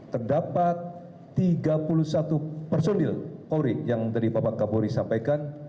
terdapat tiga puluh satu personil polri yang tadi bapak kapolri sampaikan